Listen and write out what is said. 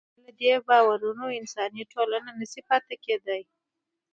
بې له دې باورونو انساني ټولنه نهشي پاتې کېدی.